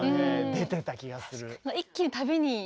出てた気がする。